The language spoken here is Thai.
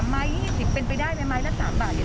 หมายหมาย๒๑เป็นไปได้ไหมไม้ละ๓บาททำได้ไหมค่ะ